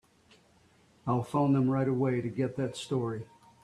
I'll phone them right away to get that story.